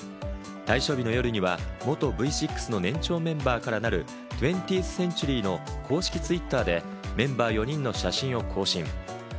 退所日の夜には元Ｖ６の年長メンバーから２０ｔｈＣｅｎｔｕｒｙの公式ツイッターで、メンバー４人の写真を更新。